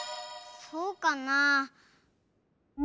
そうかな？